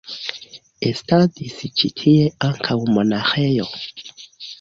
Estadis ĉi tie ankaŭ monaĥejo.